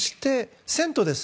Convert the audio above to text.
銭湯です。